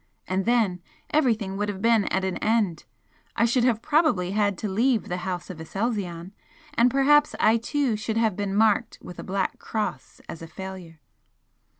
And then everything would have been at an end! I should have probably had to leave the House of Aselzion and perhaps I too should have been marked with a black cross as a failure!